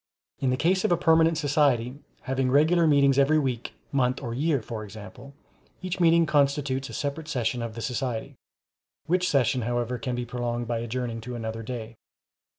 In the case of a permanent society, having regular meetings every week, month, or year, for example, each meeting constitutes a separate session of the society, which session however can be prolonged by adjourning to another day.